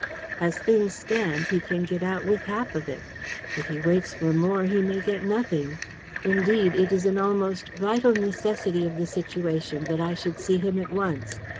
As things stand, he can get out with half of it. If he waits for more, he may get nothing. Indeed, it is an almost vital necessity of the situation that I should see him at once.